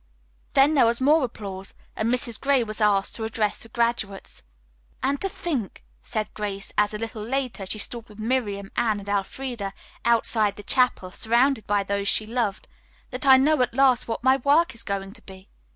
Then there was more applause, and Mrs. Gray was asked to address the graduates. "And to think," said Grace, as, a little later, she stood with Miriam, Anne and Elfreda outside the chapel, surrounded by those she loved, "that I know at last what my work is going to be."